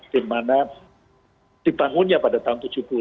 dimana dibangunnya pada tahun tujuh puluh